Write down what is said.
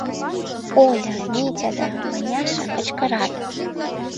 — Оля, Митя да Маняша кычкырат.